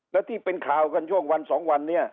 แล้วที่เป็นข่าวกันช่วงวันสองวันนี้